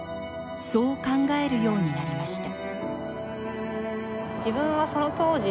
そう考えるようになりました